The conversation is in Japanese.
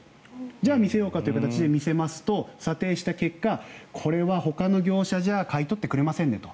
じゃあ見せようかという形で見せますと、査定した結果これはほかの業者じゃ買い取ってくれませんねと。